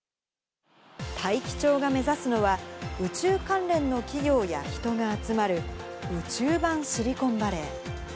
大樹町が目指すのは、宇宙関連の企業や人が集まる宇宙版シリコンバレー。